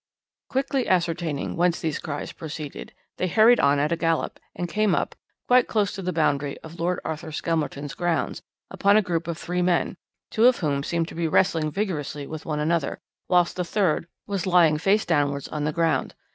"Quickly ascertaining whence these cries proceeded, they hurried on at a gallop, and came up quite close to the boundary of Lord Arthur Skelmerton's grounds upon a group of three men, two of whom seemed to be wrestling vigorously with one another, whilst the third was lying face downwards on the ground.